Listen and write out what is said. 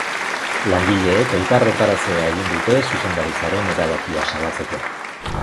Langileek elkarretaratzea egin dute zuzendaritzaren erabakia salatzeko.